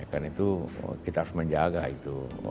karena itu kita harus menjaga itu